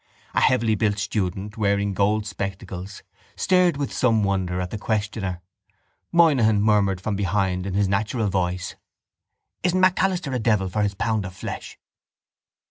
A heavybuilt student, wearing gold spectacles, stared with some wonder at the questioner. Moynihan murmured from behind in his natural voice: —Isn't MacAlister a devil for his pound of flesh?